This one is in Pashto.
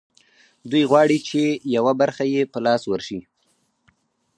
دوی غواړي چې یوه برخه یې په لاس ورشي